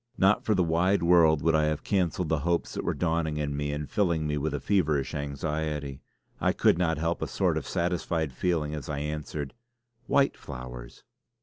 Not for the wide world would I have cancelled the hopes that were dawning in me and filling me with a feverish anxiety. I could not help a sort of satisfied feeling as I answered: "White flowers!"